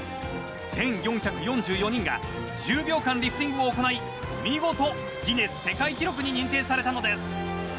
１４４４人が１０秒間リフティングを行い見事、ギネス世界記録に認定されたのです。